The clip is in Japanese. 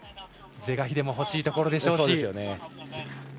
是が非でも欲しいところでしょう。